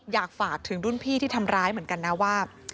อยากฝากถึงรุ่นพี่ที่ทำร้ายเหมือนกันนะว่า